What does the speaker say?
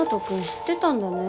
知ってたんだね